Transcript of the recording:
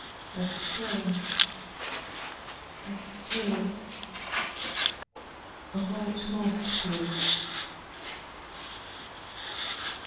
as strange, as still .. A white moth flew.